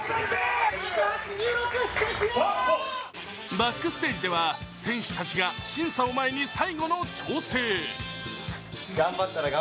バックステージでは選手たちが審査を前に最後の調整。